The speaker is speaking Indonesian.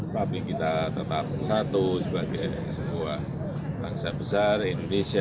tapi kita tetap satu sebagai sebuah bangsa besar indonesia